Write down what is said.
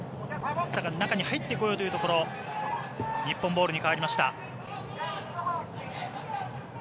中に入ってこようというところ日本ボールに変わりました。